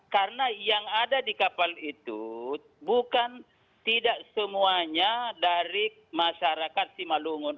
karena yang ada di kapal itu bukan tidak semuanya dari masyarakat simalungun